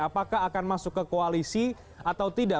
apakah akan masuk ke koalisi atau tidak